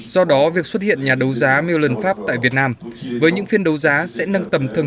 do đó việc xuất hiện nhà đấu giá millan pháp tại việt nam với những phiên đấu giá sẽ nâng tầm thương